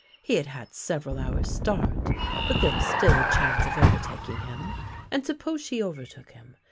He had had several hours' start, but there was still a chance of overtaking him. And suppose she overtook him?